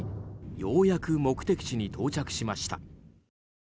ようやく目的地に到着しました。